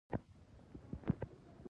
معلومه سي.